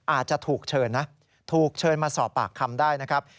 อาจจะถูกเชิญนะถูกเชิญมาสอบปากคำได้นะครับ